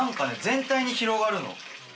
全体に広がるの。